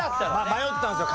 迷ったんですよ